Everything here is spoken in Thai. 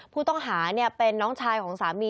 ผู้ต้องหาเป็นน้องชายของสามี